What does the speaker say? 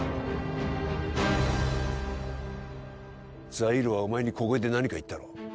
ザイールはお前に小声で何か言ったろ？